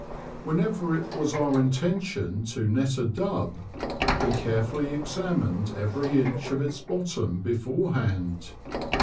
Whenever it was our intention to net a dub, we carefully examined every inch of its bottom beforehand.